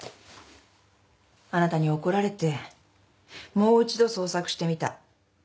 あなたに怒られてもう一度捜索してみた。